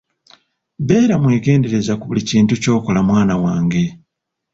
Beera mwegendereza ku buli kintu ky’okola mwana wange.